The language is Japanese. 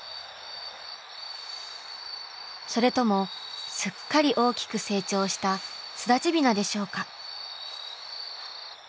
それともすっかり大きく成長した巣立ち雛でしょうか？